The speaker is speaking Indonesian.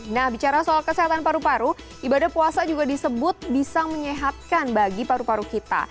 nah bicara soal kesehatan paru paru ibadah puasa juga disebut bisa menyehatkan bagi paru paru kita